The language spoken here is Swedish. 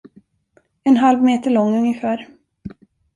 En halv meter lång ungefär.